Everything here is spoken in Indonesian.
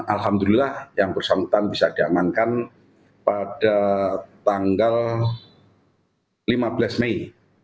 alhamdulillah yang bersangkutan bisa diamankan pada tanggal lima belas mei